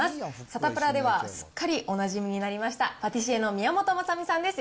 サタプラではすっかりおなじみになりました、パティシエの宮本雅巳さんです。